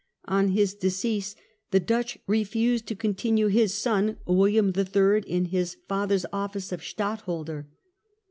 On his decease the Dutch refused to con tinue his son William III. in his father's office of Stadt holder.